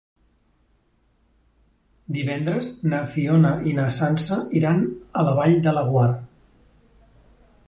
Divendres na Fiona i na Sança iran a la Vall de Laguar.